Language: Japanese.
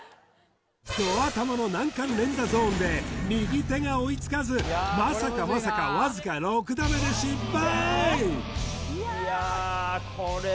ど頭の難関連打ゾーンで右手が追いつかずまさかまさかわずか６打目で失敗！